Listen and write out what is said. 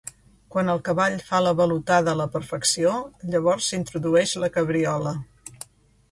Quan el cavall fa la balotada a la perfecció, llavors s'introdueix la cabriola.